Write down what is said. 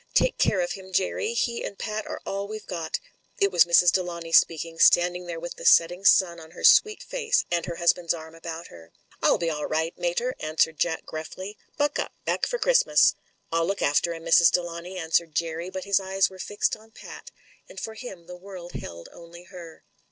''Take care of him, Jerry ; he and Pat are all we've got." It was Mrs. Delawnay speaking, standing there it THE FATAL SECOND 107 with the setting sun on her sweet face and her hus band's arm about her. rU be all right, mater/' answered Jack gruflSy. Buck up ! Back for Christmas !" ril look after him, Mrs. Delawnay," answered Jerry, but his eyes were fixed on Pat, and for him the world held only her.